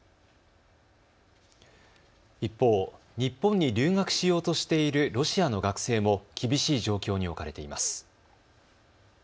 一方、日本に留学しようとしているロシアの学生も厳しい状況に置かれています。